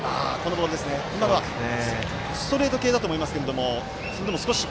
今のはストレート系だと思いますけれども。